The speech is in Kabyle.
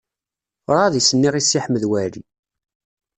Ur ɛad i s-nniɣ i Si Ḥmed Waɛli.